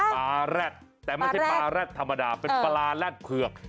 ปลาแร็ดแต่ไม่ใช่ปลาแร็ดธรรมดาเป็นปลาแรดเผือก